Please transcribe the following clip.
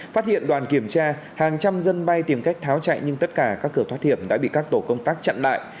phát hiện đoàn kiểm tra hàng trăm dân bay tìm cách tháo chạy nhưng tất cả các cửa thoát hiểm đã bị các tổ công tác chặn lại